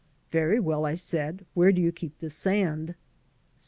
"Very well," I said. "Where do you keep the sand?